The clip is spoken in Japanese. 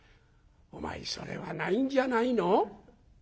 「お前それはないんじゃないの？